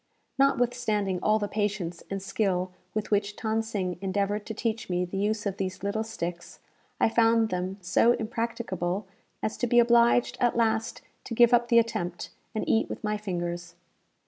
Notwithstanding all the patience and skill with which Than Sing endeavoured to teach me the use of these little sticks, I found them so impracticable as to be obliged at last to give up the attempt, and eat with my fingers.